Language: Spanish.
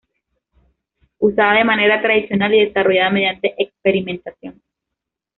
Usada de manera tradicional y desarrollada mediante experimentación.